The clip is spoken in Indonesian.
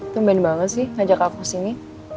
tumben banget sih ngajak aku sini